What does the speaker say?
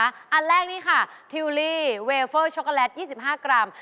อันแรกนี่ค่ะทิวลี่เวเฟอร์ช็อกโกแลต๒๕กรัม